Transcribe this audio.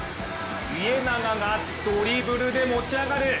家長がドリブルで持ち上がる。